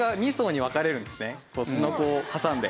すのこを挟んで。